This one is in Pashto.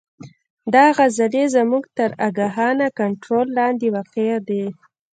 دا عضلې زموږ تر آګاهانه کنترول لاندې واقع دي.